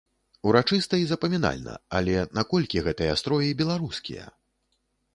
Урачыста і запамінальна, але наколькі гэтыя строі беларускія?